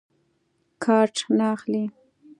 کارټ نه اخلي.